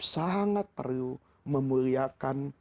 sangat perlu memuliakan